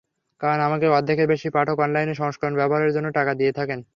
কারণ, আমাদের অর্ধেকের বেশি পাঠক অনলাইন সংস্করণ ব্যবহারের জন্য টাকা দিয়ে থাকেন।